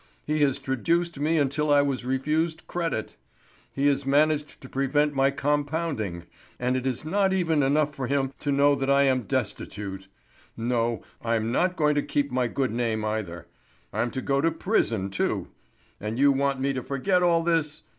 He has traduced me until I was refused credit; he has managed to prevent my compounding; and it is not even enough for him to know that I am destitute! No, I'm not to keep my good name either; I'm to go to prison too. And you want me to forget all this?